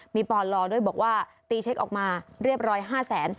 มีปอนด์รอด้วยบอกว่าตีเช็คออกมาเรียบร้อย๕๐๐๐๐๐บาท